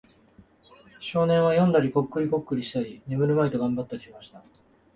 少年は読んだり、コックリコックリしたり、眠るまいと頑張ったりしました。